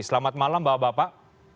selamat malam bapak bapak